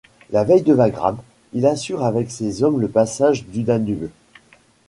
La veille de Wagram, il assure avec ses hommes le passage du Danube.